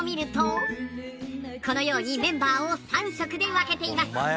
このようにメンバーを３色で分けています。